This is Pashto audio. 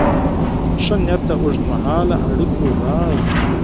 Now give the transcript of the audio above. ښه نیت د اوږدمهاله اړیکو راز دی.